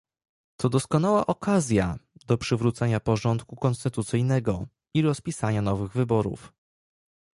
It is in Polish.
To doskonała okazja do przywrócenia porządku konstytucyjnego i rozpisania nowych wyborów